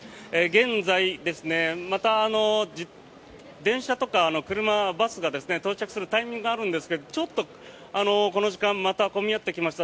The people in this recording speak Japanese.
現在、電車とか車、バスが到着するタイミングがあるんですがちょっとこの時間また混み合ってきました。